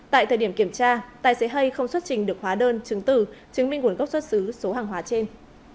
tại thời điểm kiểm tra tài xế hay không xuất trình được hóa đơn chứng tử chứng minh nguồn gốc xuất xứ số hàng hóa trên